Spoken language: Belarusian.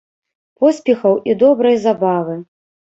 Поспехаў і добрай забавы!